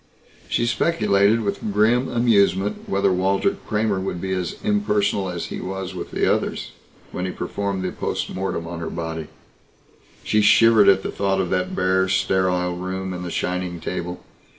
She speculated with grim amusement whether Walter Kramer would be as impersonal as he was with the others, when he performed the post mortem on her body. She shivered at the thought of that bare sterile room and the shining table.